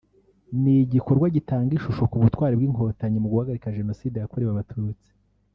ni igikorwa gitanga ishusho ku butwari bw’Inkotanyi mu guhagarika Jenoside yakorewe Abatutsi